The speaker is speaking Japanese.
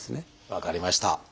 分かりました。